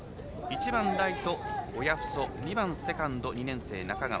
１番ライト親富祖２番セカンド２年生、中川。